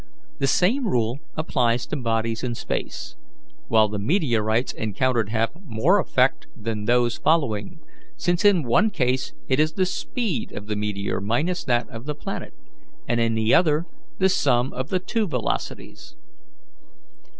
The same rule applies to bodies in space, while the meteorites encountered have more effect than those following, since in one case it is the speed of the meteor minus that of the planet, and in the other the sum of the two velocities.